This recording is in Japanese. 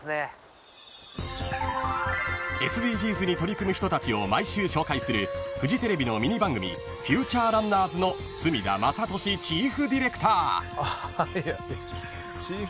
［ＳＤＧｓに取り組む人たちを毎週紹介するフジテレビのミニ番組『フューチャーランナーズ』の角田雅俊チーフディレクター］